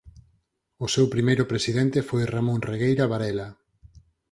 O seu primeiro presidente foi Ramón Regueira Varela.